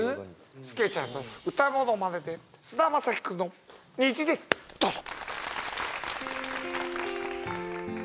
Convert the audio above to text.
スケちゃんの歌ものまねで菅田将暉くんの「虹」ですどうぞ！